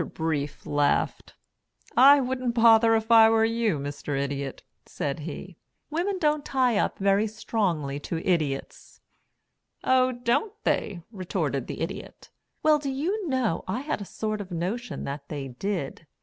Brief laughed. "I wouldn't bother if I were you, Mr. Idiot," said he. "Women don't tie up very strongly to Idiots." "Oh don't they," retorted the Idiot. "Well, do you know I had a sort of notion that they did.